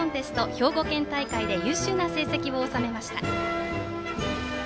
兵庫県大会で優秀な成績を収めました。